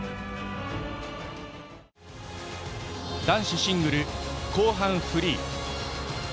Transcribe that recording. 男子シングル後半フリー。